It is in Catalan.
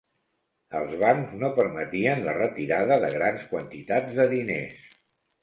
Els bancs no permetien la retirada de grans quantitats de diners